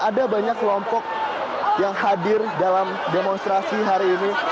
ada banyak kelompok yang hadir dalam demonstrasi hari ini